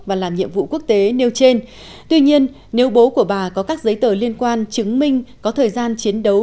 và làm nhiệm vụ quốc tế nêu trên tuy nhiên nếu bố của bà có các giấy tờ liên quan chứng minh có thời gian chiến đấu